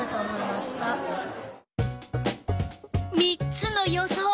３つの予想